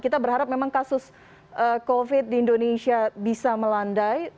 kita berharap memang kasus covid di indonesia bisa melandai